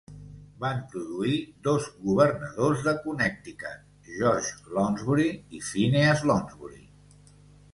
Van produir dos governadors de Connecticut, George Lounsbury i Phineas Lounsbury.